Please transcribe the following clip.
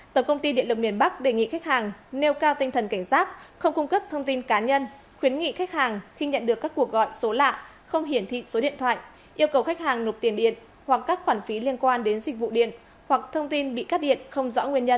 tổng công ty điện lực miền bắc đề nghị khách hàng nêu cao tinh thần cảnh giác không cung cấp thông tin cá nhân khuyến nghị khách hàng khi nhận được các cuộc gọi số lạ không hiển thị số điện thoại yêu cầu khách hàng nộp tiền điện hoặc các khoản phí liên quan đến dịch vụ điện hoặc thông tin bị cắt điện không rõ nguyên nhân